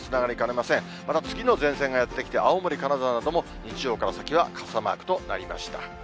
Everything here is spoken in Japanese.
また次の前線がやって来て、青森、金沢なども日曜から先は傘マークとなりました。